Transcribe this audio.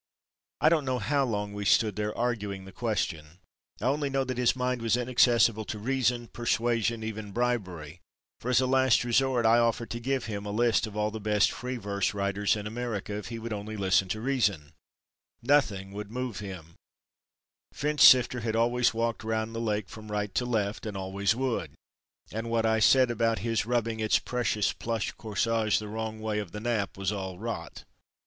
I don't know how long we stood there arguing the question, I only know that his mind was inaccessible to reason, persuasion—even bribery, for, as a last resort, I offered to give him a list of all the best free verse writers in America if he would only listen to reason—nothing would move him—Finchsifter had always walked round the lake from right to left and always would—and what I said about his rubbing its precious plush corsage the wrong way of the nap was all rot.